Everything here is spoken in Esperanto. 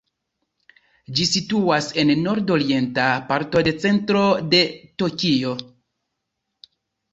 Ĝi situas en nord-orienta parto de centro de Tokio.